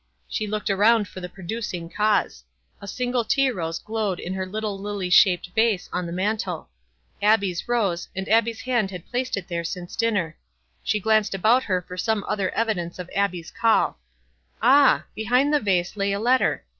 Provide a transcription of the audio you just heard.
She looked around for the producing cause. A single tea rose glowed in her little lily shaped vase on the mantel. Abbie's rose ; and Abbie's hand had placed it there since dinner. She 144 WISE AND OTHERWISE. glanced about her for some other evidence of Abbie's call. Ah ! Behind the vase lay a let ter.